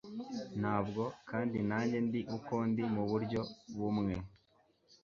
ntabwo - kandi nanjye ndi uko ndi, muburyo bumwe